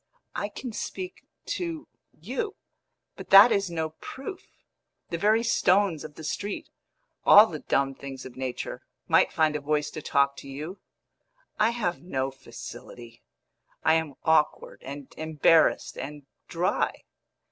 "I can speak to you; but that is no proof. The very stones of the street all the dumb things of nature might find a voice to talk to you. I have no facility; I am awkward and embarrassed and dry."